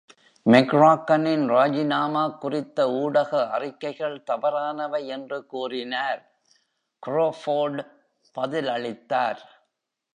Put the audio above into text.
மெக்ராக்கனின் ராஜினாமா குறித்த ஊடக அறிக்கைகள் "தவறானவை" என்று கூறினார் க்ராஃபோர்டு பதிலளித்தார்.